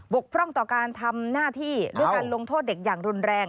กพร่องต่อการทำหน้าที่ด้วยการลงโทษเด็กอย่างรุนแรง